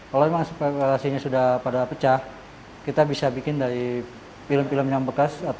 kalau memang ekspektasinya sudah pada pecah kita bisa bikin dari film film yang bekas